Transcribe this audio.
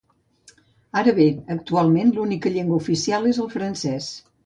Ara bé, actualment l'única llengua oficial és el francès.